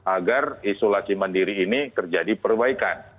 agar isolasi mandiri ini terjadi perbaikan